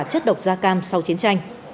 chất độc da cam sau chiến tranh